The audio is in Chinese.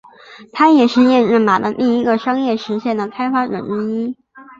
他也是验证码的第一个商业实现的开发者之一。